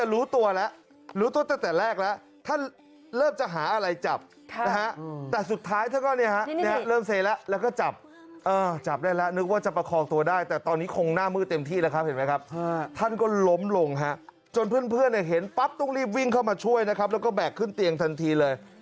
และจนเพื่อนที่เห็นต้องรีบวิ่งเข้ามาช่วยนะครับแล้วก็แบกขึ้นเตียงทันทีเลย